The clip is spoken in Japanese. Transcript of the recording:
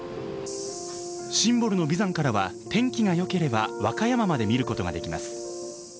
シンボルの眉山からは天気がよければ和歌山まで見ることができます。